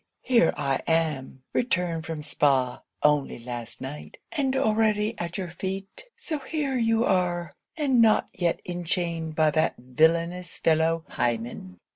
here I am! returned from Spa only last night; and already at your feet. So here you are? and not yet enchained by that villainous fellow Hymen?